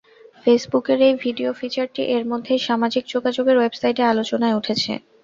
ফেসবুকের এই ভিডিও ফিচারটি এরমধ্যেই সামাজিক যোগাযোগের ওয়েবসাইটে আলোচনায় উঠেছে।